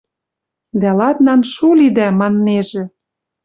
Дӓ ладнан «шу лидӓ» маннежӹ.